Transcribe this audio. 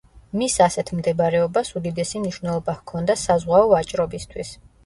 მის ასეთ მდებარეობას უდიდესი მნიშვნელობა ჰქონდა საზღვაო ვაჭრობისთვის.